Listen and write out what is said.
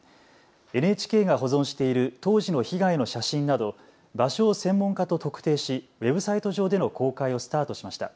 ＮＨＫが保存している当時の被害の写真など場所を専門家と特定しウェブサイト上での公開をスタートしました。